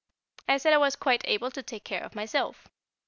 I said I was quite able to take care of myself.